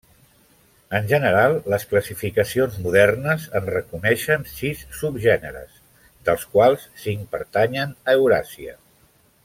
En general les classificacions modernes en reconeixen sis subgèneres, dels quals cinc pertanyen a Euràsia.